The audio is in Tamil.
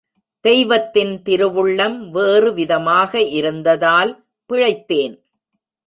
தெய்வத்தின் திருவுள்ளம் வேறு விதமாக இருந்ததால் பிழைத்தேன்.